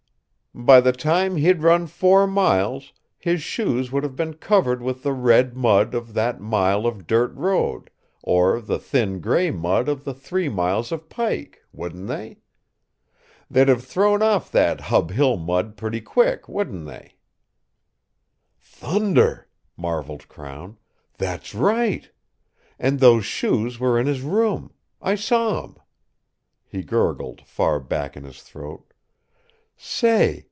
"By the time he'd run four miles, his shoes would have been covered with the red mud of that mile of 'dirt road' or the thin, grey mud of the three miles of pike wouldn't they? They'd have thrown off that Hub Hill mud pretty quick, wouldn't they?" "Thunder!" marvelled Crown. "That's right! And those shoes were in his room; I saw 'em." He gurgled, far back in his throat. "Say!